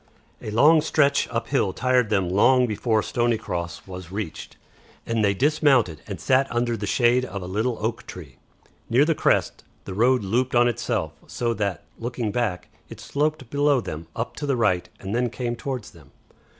A long stretch up hill tired them long before Stoney Cross was reached, and they dismounted and sat under the shade of a little oak tree. Near the crest the road looped on itself, so that, looking back, it sloped below them up to the right and then came towards them.